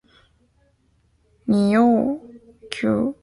根据适用法律的规定，您有权要求我们：